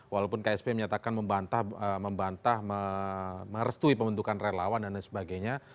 walaupun ksp menyatakan membantah merestui pembentukan relawan dan lain sebagainya